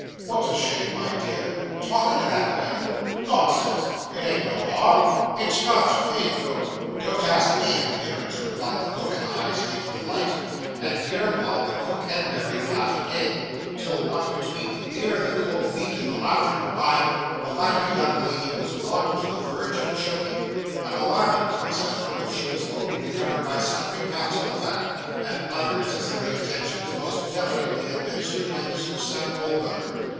'What's a shame, my dear?' 'Talkin' in that way.' 'Nonsense; it ain't no harm. It's natur; ain't it, cook?' 'Don't ask me, imperence,' replied the cook, in a high state of delight; and hereupon the cook and Mary laughed again, till what between the beer, and the cold meat, and the laughter combined, the latter young lady was brought to the verge of choking an alarming crisis from which she was only recovered by sundry pats on the back, and other necessary attentions, most delicately administered by Mr. Samuel Weller.